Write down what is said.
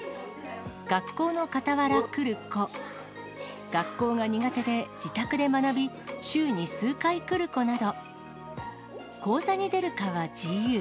学校のかたわら来る子、学校が苦手で自宅で学び、週に数回来る子など、講座に出るかは自由。